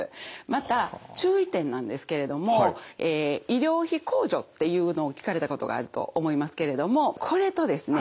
また注意点なんですけれどもえ医療費控除っていうのを聞かれたことがあると思いますけれどもこれとですね